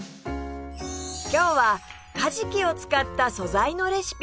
今日はカジキを使った「素材のレシピ」